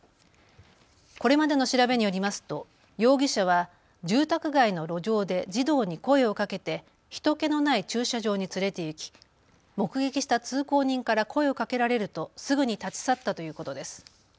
これまでの調べによりますと容疑者は住宅街の路上で児童に声をかけて人けのない駐車場に連れて行き目撃した通行人から声をかけられるとすぐに立ち去ったということです。